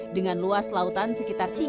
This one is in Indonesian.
dengan luas lautan sekitar satu lima meter